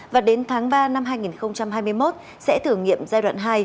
và đến tháng ba năm hai nghìn hai mươi một sẽ thử nghiệm giai đoạn hai